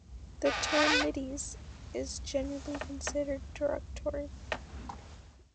The term "middies" is generally considered derogatory.